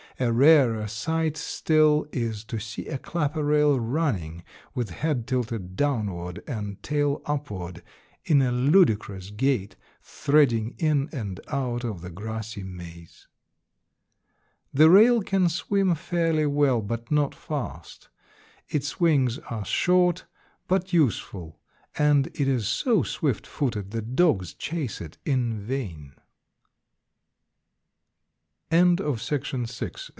A rarer sight still is to see a clapper rail running, with head tilted downward and tail upward, in a ludicrous gait, threading in and out of the grassy maze." The rail can swim fairly well, but not fast. Its wings are short, but useful, and it is so swift footed that dogs chase it in vain. [Illustration: CLAPPER RAIL.